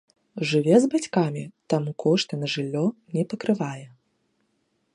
Жыве з бацькамі, таму кошты на жыллё не пакрывае.